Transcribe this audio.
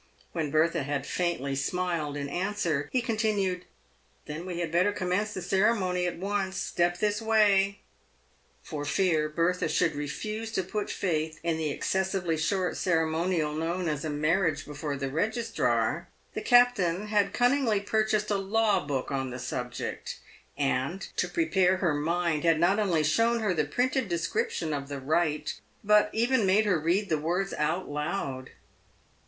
When Bertha had faintly smiled in answer, he con tinued, " Then we had better commence the ceremony at once. Step this way." 394 PAVED WITII GOLD. For fear Bertlia should refuse to put faith iu the excessively short ceremonial known as a marriage before the Registrar, the captain had cunningly purchased a law book on the subject, and, to prepare her mind, had not only shown her the printed description of the rite, but even made her read the words out loud.